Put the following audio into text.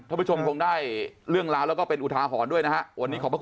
ท่านผู้ชมคงได้เรื่องราวแล้วก็เป็นอุทาหอนด้วยนะครับ